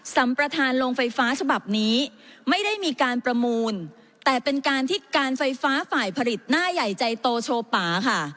สัมประธานโรงไฟฟ้าฉบับนี้ไม่ได้มีการประมูลแต่เป็นการที่การไฟฟ้าฝ่ายผลิตหน้าใหญ่ใจโตโชว์ป่าค่ะ